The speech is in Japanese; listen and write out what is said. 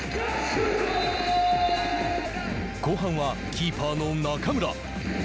後半はキーパーの中村。